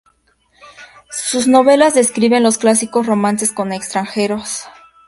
Sus novelas describen los clásicos romances con extranjeros.